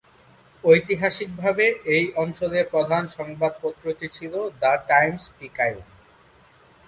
ঐতিহাসিকভাবে এই অঞ্চলের প্রধান সংবাদপত্রটি ছিল "দ্য টাইমস-পিকায়ুন"।